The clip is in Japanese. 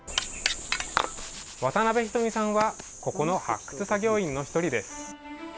渡邊ひとみさんはここの発掘作業員の１人です。